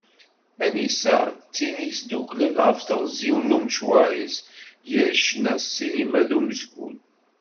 Anisa, d tin i d-yesduklen ɣef teɣzi n umecwar-is gar ccna, ssinima d umezgun.